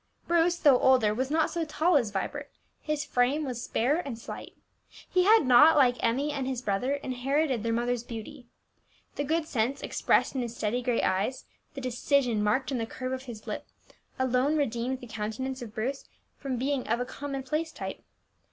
Bruce, though older, was not so tall as Vibert; his frame was spare and slight. He had not, like Emmie and his brother, inherited their mother's beauty. The good sense expressed in his steady gray eyes, the decision marked in the curve of his lip, alone redeemed the countenance of Bruce from being of a commonplace type.